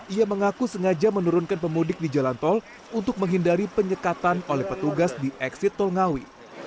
ia mengaku sengaja menurunkan pemudik di jalan tol untuk menghindari penyekatan oleh petugas di eksit tol ngawi